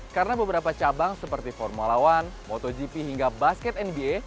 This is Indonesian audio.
karena beberapa cabang seperti formula one motogp hingga basket nba